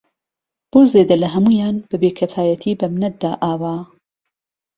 بۆ زێده له ههموویان به بێکیفایهتی به منت دا ئاوه